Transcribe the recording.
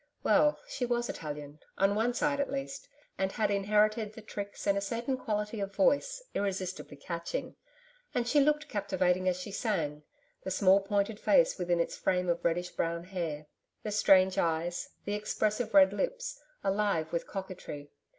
Well, she was Italian on one side at least, and had inherited the tricks and a certain quality of voice, irresistibly catching. And she looked captivating as she sang the small pointed face within its frame of reddish brown hair, the strange eyes, the expressive red lips, alive with coquetry.